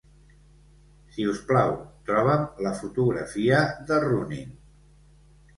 Si us plau, troba'm la fotografia de Rounin.